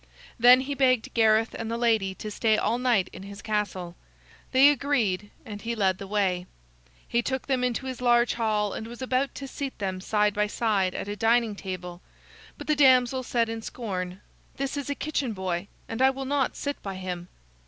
Then he begged Gareth and the lady to stay all night in his castle. They agreed, and he led the way. He took them into his large hall and was about to seat them side by side at a dining table. But the damsel said in scorn: "This is a kitchen boy, and I will not sit by him."